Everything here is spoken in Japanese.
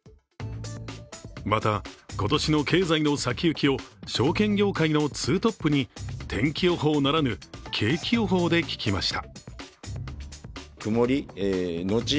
また、今年の経済の先行きを証券業界のツートップに天気予報ならぬ景気予報で聞きました。